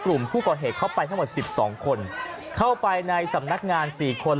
กลุ่มผู้ก่อเหตุเข้าไปทั้งหมดสิบสองคนเข้าไปในสำนักงานสี่คน